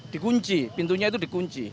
dikunci pintunya itu dikunci